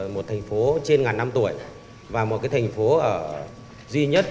một thành phố trên ngàn năm tuổi và một thành phố duy nhất